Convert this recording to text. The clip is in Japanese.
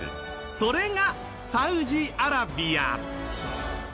それが、サウジアラビア。